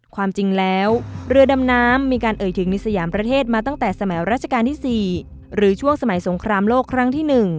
ความจริงแล้วเรือดำน้ำมีการเอ่ยถึงในสยามประเทศมาตั้งแต่สมัยราชการที่๔หรือช่วงสมัยสงครามโลกครั้งที่๑